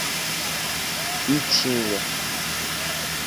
Itinga